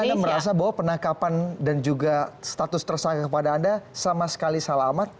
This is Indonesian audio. jadi anda merasa bahwa penangkapan dan juga status tersangka kepada anda sama sekali salamat